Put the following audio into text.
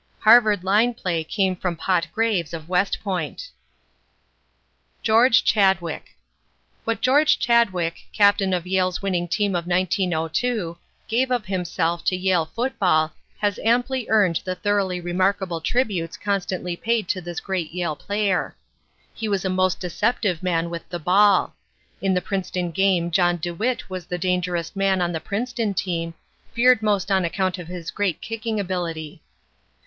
Harvard line play came from Pot Graves of West Point." [Illustration: KING, OF HARVARD, MAKING A RUN; MAHAN PUTTING BLACK ON HIS HEAD] George Chadwick What George Chadwick, captain of Yale's winning team of 1902, gave of himself to Yale football has amply earned the thoroughly remarkable tributes constantly paid to this great Yale player. He was a most deceptive man with the ball. In the Princeton game John DeWitt was the dangerous man on the Princeton team, feared most on account of his great kicking ability.